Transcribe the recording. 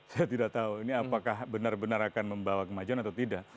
saya tidak tahu ini apakah benar benar akan membawa kemajuan atau tidak